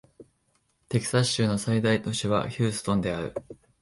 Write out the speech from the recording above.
テキサス州の最大都市はヒューストンである